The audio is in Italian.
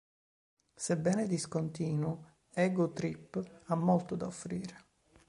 Sebbene discontinuo, "Ego Trip" ha molto da offrire.